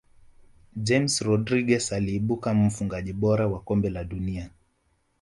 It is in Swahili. james rodriguez aliibuka mfungaji bora wa kombe la dunia